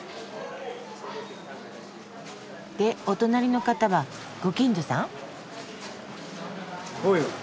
でお隣の方はご近所さん？